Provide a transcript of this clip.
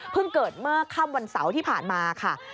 เกิดเมื่อค่ำวันเสาร์ที่ผ่านมาค่ะ